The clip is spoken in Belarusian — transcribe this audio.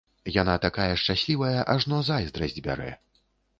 Яна такая шчаслівая, ажно зайздрасць бярэ.